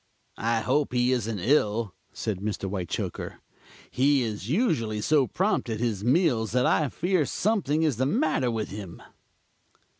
"I hope he isn't ill," said Mr. Whitechoker. "He is usually so prompt at his meals that I fear something is the matter with him."